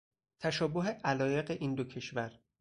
تشابه علایق این دو کشور